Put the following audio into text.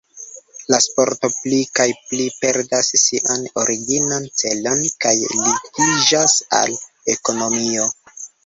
La sporto pli kaj pli perdas sian originan celon kaj ligiĝas al ekonomio.